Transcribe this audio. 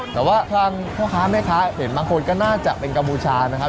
แต่ว่าทางพ่อค้าแม่ค้าเห็นบางคนก็น่าจะเป็นกัมพูชานะครับ